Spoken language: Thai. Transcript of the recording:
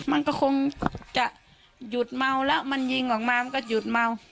มันก็คงจะหยุดเมาแล้วมันยิงออกมามันก็หยุดเมา